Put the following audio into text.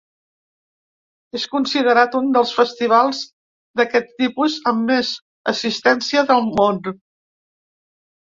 És considerat un dels festivals d'aquest tipus amb més assistència del món.